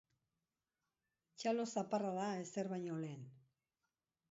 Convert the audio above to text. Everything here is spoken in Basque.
Txalo zaparrada ezer baino lehen!